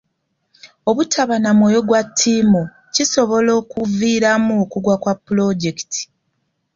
Obutaba na mwoyo gwa ttiimu kisobola okuviiramu okugwa kwa pulojekiti.